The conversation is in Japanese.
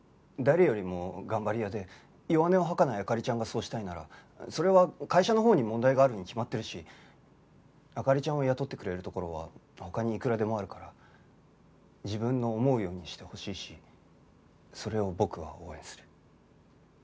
誰よりも頑張り屋で弱音を吐かない灯ちゃんがそうしたいならそれは会社のほうに問題があるに決まってるし灯ちゃんを雇ってくれるところは他にいくらでもあるから自分の思うようにしてほしいしそれを僕は応援する。